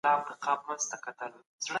دا لیکنې د ټولنې انځور وړاندې کوي.